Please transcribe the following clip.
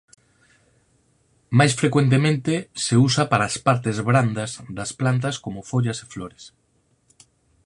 Máis frecuentemente se usa para as partes brandas das plantas como follas e flores.